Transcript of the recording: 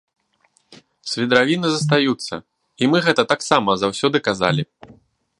Свідравіны застаюцца, і мы гэта таксама заўсёды казалі!